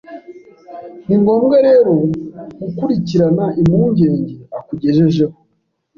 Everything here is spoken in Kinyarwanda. Ni ngombwa rero gukurikirana impungenge akugejejeho